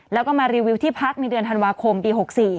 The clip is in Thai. แล้วก็มารีวิวที่พักในเดือนธันวาคมปี๖๔